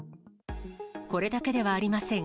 これだけではありません。